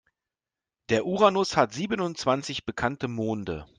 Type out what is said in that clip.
Der Uranus hat siebenundzwanzig bekannte Monde.